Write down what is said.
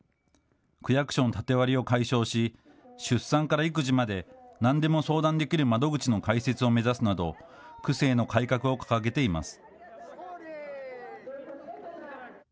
区役所の縦割りを解消し、出産から育児まで何でも相談できる窓口の開設を目指すなど区政の改革を掲げています。